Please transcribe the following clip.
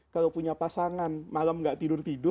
kalau punya pasangan malam gak tidur tidur